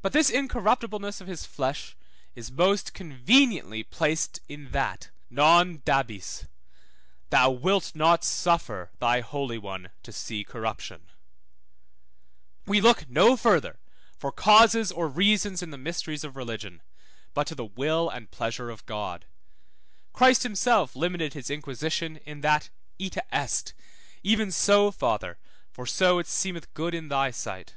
But this incorruptibleness of his flesh is most conveniently placed in that; Non dabis, thou wilt not suffer thy Holy One to see corruption; we look no further for causes or reasons in the mysteries of religion, but to the will and pleasure of God; Christ himself limited his inquisition in that ita est, even so, Father, for so it seemeth good in thy sight.